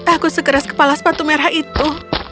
aku sekeras kepala sepatu merah itu